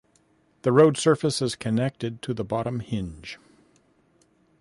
The road surface is connected to the bottom hinge.